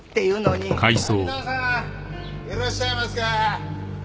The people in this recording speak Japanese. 滝沢さんいらっしゃいますか？